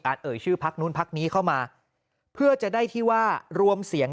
เอ่ยชื่อพักนู้นพักนี้เข้ามาเพื่อจะได้ที่ว่ารวมเสียง